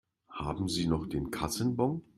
Haben Sie noch den Kassenbon?